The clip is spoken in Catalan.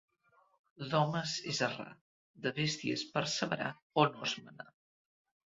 D'homes és errar, de bèsties perseverar o no esmenar.